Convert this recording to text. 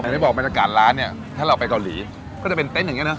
อย่าไปบอกมันอากาศร้านเนี่ยถ้าเราไปเกาหลีก็จะเป็นเต้นอย่างนี้เนอะ